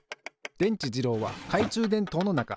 でんちじろうはかいちゅうでんとうのなか。